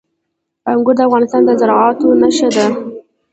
انګور د افغانستان د زرغونتیا نښه ده.